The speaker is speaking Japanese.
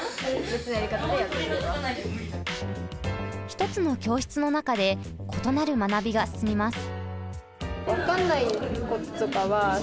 一つの教室の中で異なる学びが進みます。